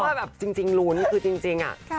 เพราะว่าแบบจริงหลุนคือจริงอะ